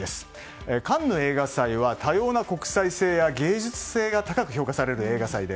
カンヌ映画祭は多様な国際性や芸術性が高く評価される映画祭で